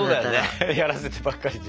やらせてばっかりじゃね。